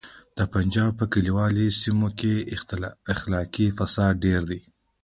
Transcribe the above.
د پنجاب په کلیوالو سیمو کې اخلاقي فساد ډیر دی